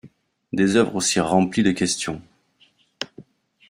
Des œuvres aussi remplies de questions.